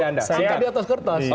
angkat di atas kertas